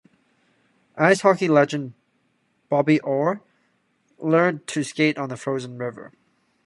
Ice hockey legend Bobby Orr learned to skate on the frozen river.